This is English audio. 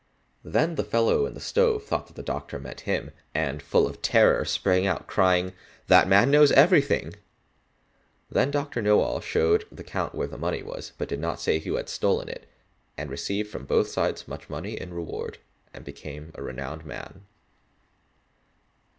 Then the fellow in the stove thought that the doctor meant him, and full of terror, sprang out, crying, "That man knows everything!" Then Dr. Knowall showed the count where the money was, but did not say who had stolen it, and received from both sides much money in reward, and became a renowned man.